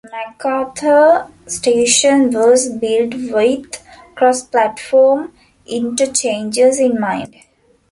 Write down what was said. MacArthur station was built with cross-platform interchanges in mind.